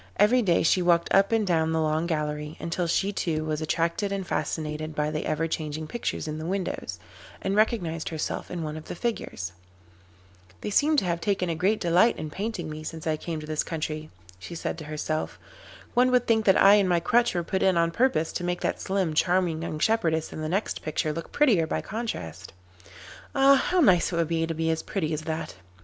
Every day she walked up and down the long gallery, until she too was attracted and fascinated by the ever changing pictures in the windows, and recognised herself in one of the figures. 'They seem to have taken a great delight in painting me since I came to this country,' she said to herself. 'One would think that I and my crutch were put in on purpose to make that slim, charming young shepherdess in the next picture look prettier by contrast. Ah! how nice it would be to be as pretty as that.